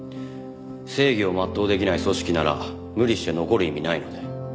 正義を全うできない組織なら無理して残る意味ないので。